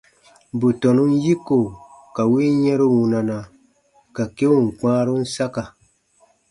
Bù tɔnun yiko ka win yɛ̃ru wunana, ka keun kpãarun saka.